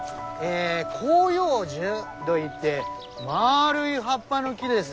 広葉樹どいってまるい葉っぱの木です。